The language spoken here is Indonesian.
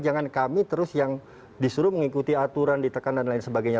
jangan kami terus yang disuruh mengikuti aturan ditekan dan lain sebagainya